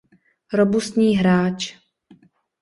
Robustní hráč"".